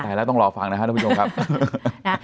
ตายแล้วต้องรอฟังนะคะท่านผู้ชมครับนะ